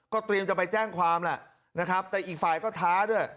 เตรียมจะไปแจ้งความแหละนะครับแต่อีกฝ่ายก็ท้าด้วย